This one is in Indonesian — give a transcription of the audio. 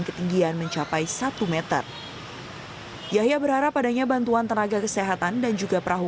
ketinggian mencapai satu meter yahya berharap adanya bantuan tenaga kesehatan dan juga perahu